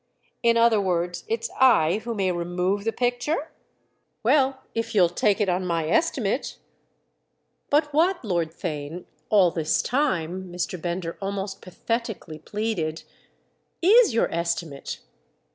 "In other words it's I who may remove the picture?" "Well—if you'll take it on my estimate." "But what, Lord Theign, all this time," Mr. Bender almost pathetically pleaded, "is your estimate?"